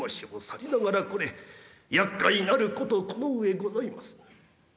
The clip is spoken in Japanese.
さりながらこれやっかいなることこの上ございますまい。